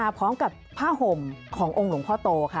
พร้อมกับผ้าห่มขององค์หลวงพ่อโตค่ะ